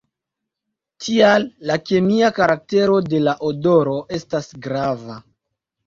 Tial la kemia karaktero de la odoro estas grava.